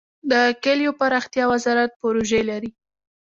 د کلیو پراختیا وزارت پروژې لري؟